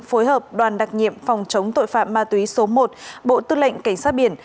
phối hợp đoàn đặc nhiệm phòng chống tội phạm ma túy số một bộ tư lệnh cảnh sát biển